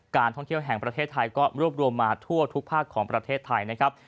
การท่องเที่ยวแห่งประเทศไทยก็รวบรวมมาทั่วทุกภาคของประเทศไทยนะครับ